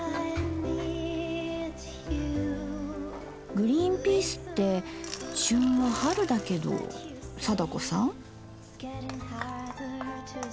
グリーンピースって旬は春だけど貞子さん？